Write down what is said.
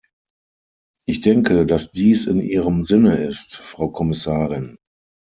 Ich denke, dass dies in Ihrem Sinne ist, Frau Kommissarin!